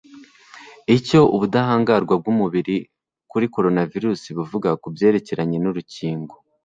Icyo ubudahangarwa bw'umubiri kuri coronavirus buvuga kubyerekeranye nurukingo